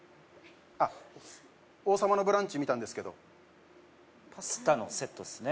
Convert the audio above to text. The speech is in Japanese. あっ王様のブランチ見たんですけどパスタのセットですね